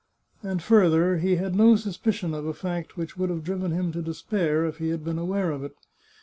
And further, he had no suspicion of a fact which would have driven him to despair, if he had been aware of it.